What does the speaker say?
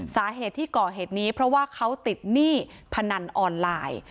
สาเหตุที่ก่อเหตุนี้เพราะว่าเขาติดหนี้พนันออนไลน์